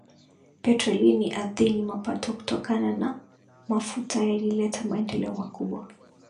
petroli ardhini Mapato kutokana na mafuta yalileta maendeleo makubwa